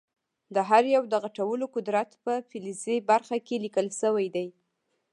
د هر یو د غټولو قدرت په فلزي برخه کې لیکل شوی دی.